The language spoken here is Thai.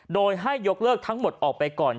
โดยให้ยกเลิกทั้งหมดออกไปก่อน